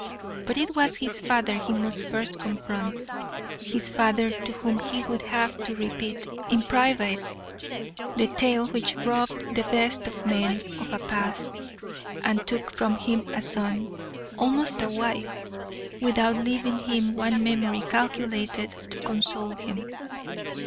But it was his father he must first confront, his father to whom he would have to repeat in private the tale which robbed the best of men of a past, and took from him a son, almost a wife, without leaving him one memory calculated to console him.